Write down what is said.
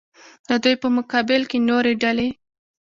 د دوی په مقابل کې نورې ډلې.